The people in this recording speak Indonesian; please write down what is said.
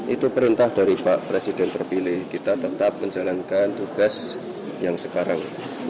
itu perintah dari pak presiden terpilih kita tetap menjalankan tugas yang sekarang